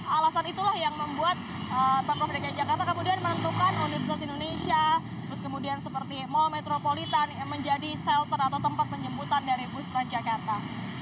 alasan itulah yang membuat pemprov dki jakarta kemudian menentukan universitas indonesia terus kemudian seperti mall metropolitan menjadi shelter atau tempat penjemputan dari bus transjakarta